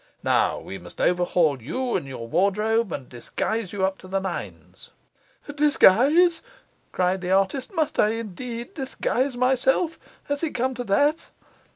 'Now we must overhaul you and your wardrobe, and disguise you up to the nines.' 'Disguise!' cried the artist. 'Must I indeed disguise myself. Has it come to that?